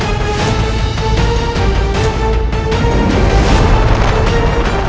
terima kasih raden